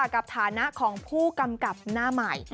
ฐานะของผู้กำกับหน้าใหม่